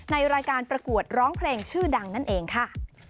ในรายการประกวดร้องเพลงชื่อดังนั่นเองค่ะ